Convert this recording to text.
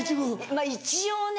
まぁ一応ね。